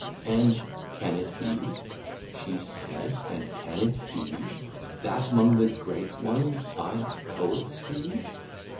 And can it be? She said, and can it be? That 'mong the Great Ones I a Poet see?